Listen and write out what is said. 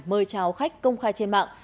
mời chào khách công khai trên mạng